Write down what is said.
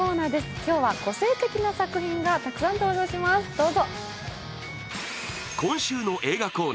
今日は個性的な作品がたくさん登場します、どうぞ。